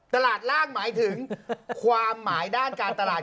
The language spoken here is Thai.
ตลาดล่างหมายถึงความหมายด้านการตลาด